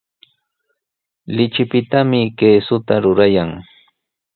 Lichipitami kiisuta rurayan.